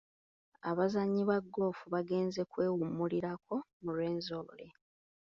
Abazannyi ba ggoofu baagenze kwewummulirako mu Rwenzori.